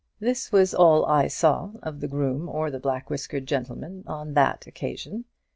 This was all I saw of the groom or the black whiskered gentleman on that occasion.